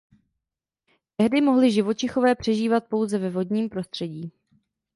Tehdy mohli živočichové přežívat pouze ve vodním prostředí.